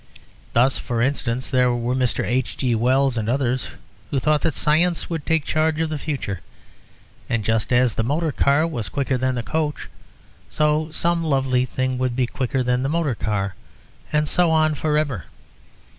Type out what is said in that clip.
Thus, for instance, there were Mr. H. G. Wells and others, who thought that science would take charge of the future; and just as the motor car was quicker than the coach, so some lovely thing would be quicker than the motor car; and so on for ever.